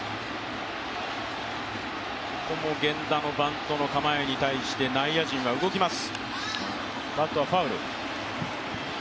ここも源田のバントの構えに対して内野陣は動きます。